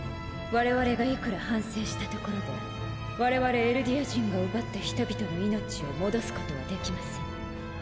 我々がいくら反省したところで我々エルディア人が奪った人々の命を戻すことはできません。